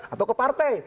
atau ke partai